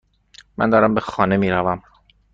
من دارم به خانه میروم.